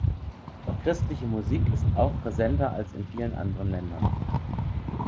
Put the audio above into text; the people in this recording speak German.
Christliche Musik ist auch präsenter als in vielen anderen Ländern.